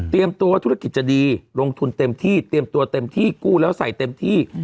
ตัวว่าธุรกิจจะดีลงทุนเต็มที่เตรียมตัวเต็มที่กู้แล้วใส่เต็มที่